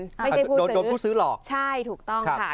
โดนผู้ซื้อหลอกใช่ถูกต้องค่ะค่ะ